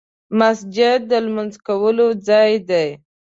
مسجد د لمونځ کولو ځای دی .